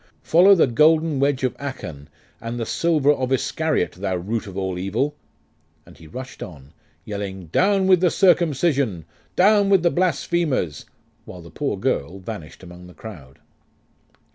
'Follow the golden wedge of Achan, and the silver of Iscariot, thou root of all evil!' And he rushed on, yelling, 'Down with the circumcision! Down with the blasphemers!' while the poor girl vanished among the crowd.